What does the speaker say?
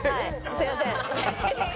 すみません！